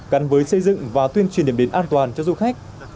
gắn với xây dựng và tuyên truyền điểm đến an toàn cho du khách